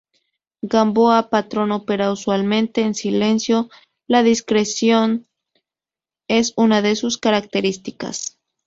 Gamboa Patrón opera usualmente en silencio, la discreción es una de sus características.